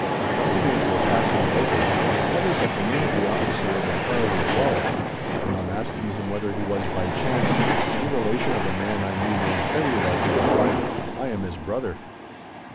Jumping into a passing motor, I discovered that the name of the officer in the car was Lowe, and on asking him whether he was, by chance, any relation of a man I knew named Harry Lowe, he replied, "I am his brother."